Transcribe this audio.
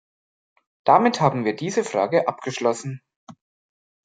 Damit haben wir diese Frage abgeschlossen.